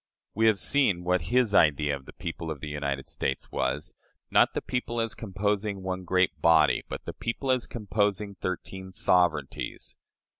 We have seen what his idea of "the people of the United States" was "not the people as composing one great body, but the people as composing thirteen sovereignties."